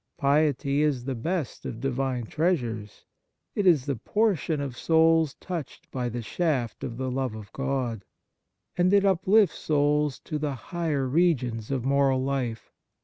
Piety is the best of Divine treasures ; it is the portion of souls touched by the shaft of the love of God, and it uplifts souls to the higher regions of moral life.